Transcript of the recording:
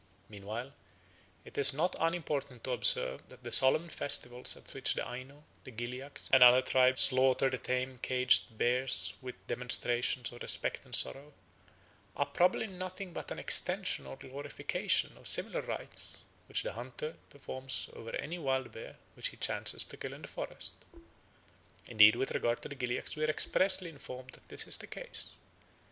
Meantime it is not unimportant to observe that the solemn festivals at which the Aino, the Gilyaks, and other tribes slaughter the tame caged bears with demonstrations of respect and sorrow, are probably nothing but an extension or glorification of similar rites which the hunter performs over any wild bear which he chances to kill in the forest. Indeed with regard to the Gilyaks we are expressly informed that this is the case.